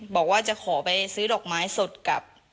บอกว่าจะขอไปซื้อดอกไม้สดกับ